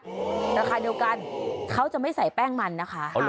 ราคาเดียวกันเขาจะไม่ใส่แป้งมันนะคะ